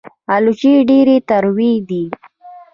الوچې ډېرې تروې دي